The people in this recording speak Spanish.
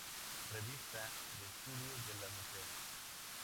Revista de Estudios de la Mujer".